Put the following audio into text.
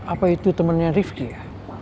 apa itu temannya rifki ya